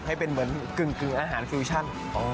ให้เป็นเหมือนกึ่งอาหารฟิวชั่น